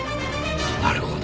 なるほど。